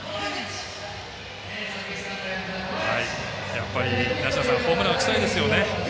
やっぱり梨田さんホームラン打ちたいですよね。